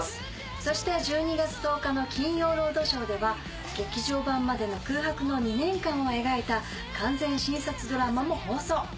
そして１２月１０日の『金曜ロードショー』では劇場版までの空白の２年間を描いた完全新撮ドラマも放送。